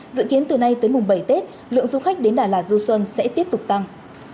dự kiến từ nay tới mùng bảy tết lượng du khách đến đà lạt du xuân sẽ tiếp tục tăng